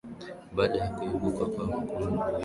baada ya kuibuka kwa makundi mawili yanayokinzana